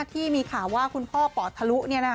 ที่มีข่าวว่าคุณพ่อปอดทะลุ